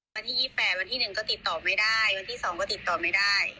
วันที่๒๘วันที่๑ก็ติดต่อไม่ได้วันที่๒ก็ติดต่อไม่ได้